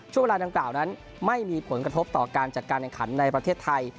ช่วงเวลาดังกล่าวนั้นไม่มีผลกระทบต่อการจัดการแข่งขันในประเทศไทย